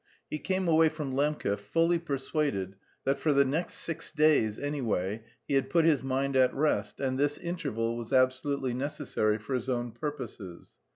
He came away from Lembke fully persuaded that for the next six days, anyway, he had put his mind at rest, and this interval was absolutely necessary for his own purposes.